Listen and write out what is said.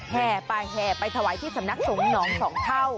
แห่ไปแห่ไปถวายที่สำนักสงฆ์หนองสองเท่า